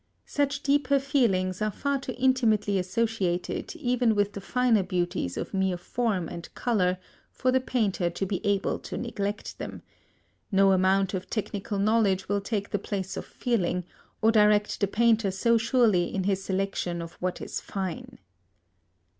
Such deeper feelings are far too intimately associated even with the finer beauties of mere form and colour for the painter to be able to neglect them; no amount of technical knowledge will take the place of feeling, or direct the painter so surely in his selection of what is fine.